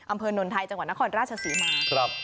อำเภอนนไทยจังหวัดนครราชศรีมา